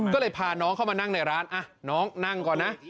ก็เลยพาน้องเข้ามานั่งในร้านน้องนั่งก่อนนะ